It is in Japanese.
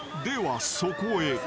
［ではそこへ］